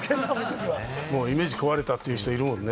イメージ壊れたって言う人いますもんね。